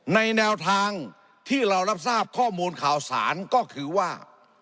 แนวทางที่เรารับทราบข้อมูลข่าวสารก็คือว่า